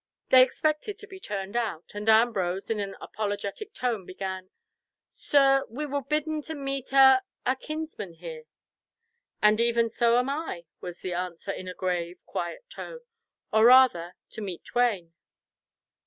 They expected to be turned out, and Ambrose in an apologetic tone, began, "Sir, we were bidden to meet a—a kinsman here." "And even so am I," was the answer, in a grave, quiet tone, "or rather to meet twain."